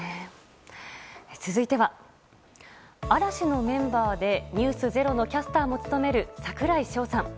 続いては、嵐のメンバーで「ｎｅｗｓｚｅｒｏ」のキャスターも務める櫻井翔さん。